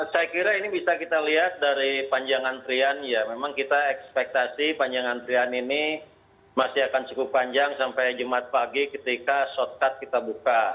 saya kira ini bisa kita lihat dari panjang antrian ya memang kita ekspektasi panjang antrian ini masih akan cukup panjang sampai jumat pagi ketika shortcut kita buka